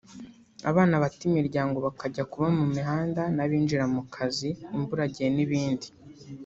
abana bata imiryango bakajya kuba mu mihanda n’abinjira mu kazi imburagihe n’ibindi